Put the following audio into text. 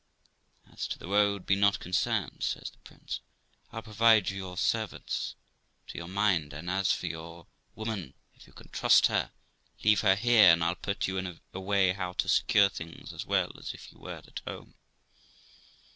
'As to the road, be not concerned', says the prince; 'I'll provide you servants to your mind; and, as for your woman, if you can trust her, leave her here, and I'll put you in a way how to secure things as well as if you were at home.'